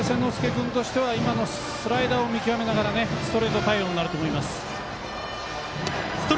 君は今のスライダーを見極めながらストレート対応になると思います。